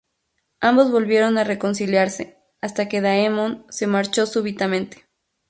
Ambos volvieron a reconciliarse, hasta que Daemon se marchó, súbitamente.